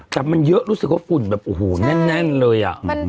แต่มันเยอะรู้สึกว่าฝุ่นแน่นเลยอ่ะใช่